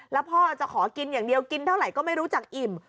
แล้วพ่อจะขอกินอย่างเดียวกินเท่าไหร่ก็ไม่รู้จักอิ่ม